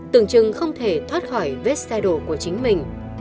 tưởng chừng không thể thoát khỏi vết xe đổ của chính mình